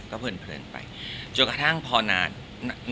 เพลินไปจนกระทั่งพอนาน